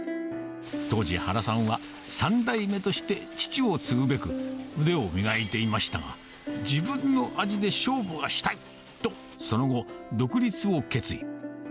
当時、原さんは３代目として父を継ぐべく腕を磨いていましたが、自分の味で勝負がしたいと、その後、独立を決意。